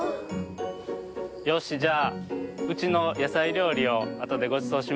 よしじゃあうちのやさいりょうりをあとでごちそうします。